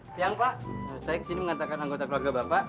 siang pak saya kesini mengatakan anggota keluarga bapak